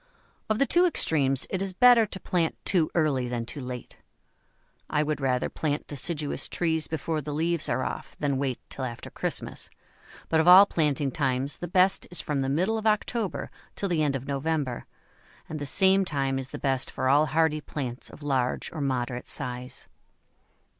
Of the two extremes it is better to plant too early than too late. I would rather plant deciduous trees before the leaves are off than wait till after Christmas, but of all planting times the best is from the middle of October till the end of November, and the same time is the best for all hardy plants of large or moderate size.